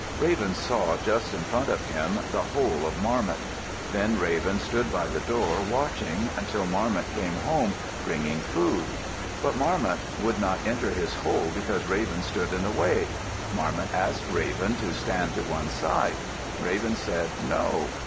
Raven saw just in front of him the hole of Marmot. Then Raven stood by the door watching, until Marmot came home, bringing food. But Marmot could not enter his hole because Raven stood in the way. Marmot asked Raven to stand to one side. Raven said, "No.